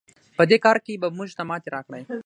په دې کار کې به موږ ته ماتې راکړئ.